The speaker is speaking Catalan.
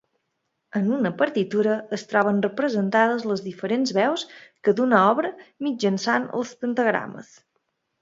En una partitura es troben representades les diferents veus que d'una obra mitjançant els pentagrames.